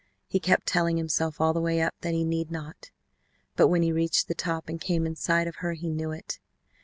He kept telling himself all the way up that he need not, but when he reached the top and came in sight of her he knew it.